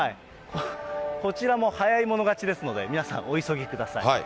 こちらも早い者勝ちですので、皆さん、お急ぎください。